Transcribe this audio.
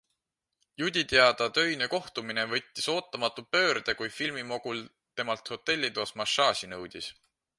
Juddi teada töine kohtumine võttis ootamatu pöörde, kui filmimogul temalt hotellitoas massaaži nõudis.